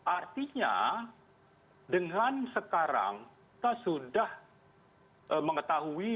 artinya dengan sekarang kita sudah mengetahui